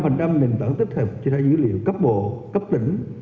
một trăm linh nền tảng tích hợp chia sẻ dữ liệu cấp bộ cấp tỉnh